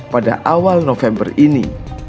pada awal november ini